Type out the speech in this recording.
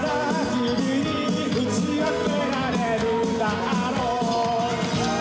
「君にうちあけられるだろう」